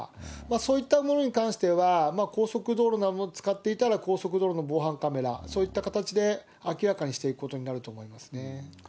そういったものに関しては、高速道路などを使っていたら高速道路の防犯カメラ、そういった形で明らかにしていくことになると思いますね。